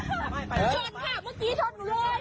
ชนค่ะเมื่อกี้ชนหนูเลย